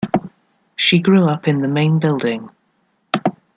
She grew up in the main building.